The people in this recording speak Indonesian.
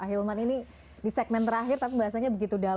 ahilman ini di segmen terakhir tapi bahasanya begitu dalam